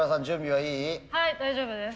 はい大丈夫です。